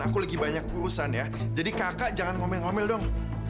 aku lagi banyak urusan ya jadi kakak jangan ngomel ngomel dong